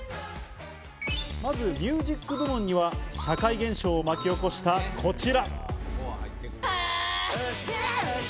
ミュージック部門には社会現象を巻き起こしたこちら。